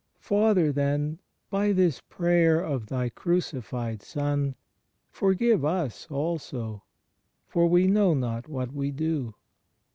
Father, then, by this prayer of Thy crucified Son, forgive us also; for we know not what we do.